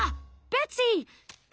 ベッツィー！